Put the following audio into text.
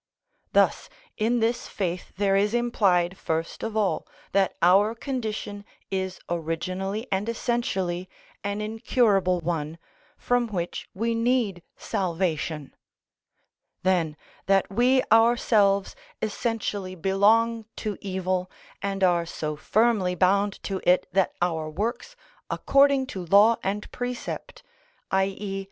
Thus in this faith there is implied, first of all, that our condition is originally and essentially an incurable one, from which we need salvation; then, that we ourselves essentially belong to evil, and are so firmly bound to it that our works according to law and precept, _i.e.